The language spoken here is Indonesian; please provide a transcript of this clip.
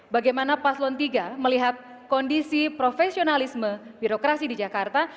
bagaimana paslon tiga melihat kondisi profesionalisme birokrasi di jakarta